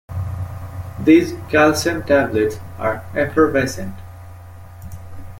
These calcium tablets are effervescent.